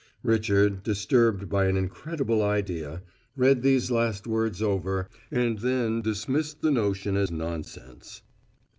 Richard, disturbed by an incredible idea, read these last words over and then dismissed the notion as nonsense.